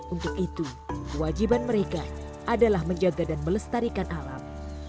untuk itu kewajiban mereka adalah menjaga dan melestarikan alam